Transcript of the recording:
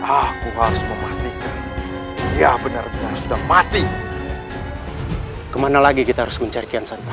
aku harus memastikan dia benar benar sudah mati kemana lagi kita harus mencari kian santan